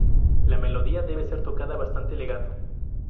La melodía debe ser tocada bastante "legato".